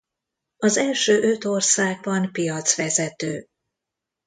Az első öt országban piacvezető.